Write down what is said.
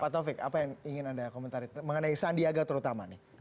pak taufik apa yang ingin anda komentari mengenai sandiaga terutama nih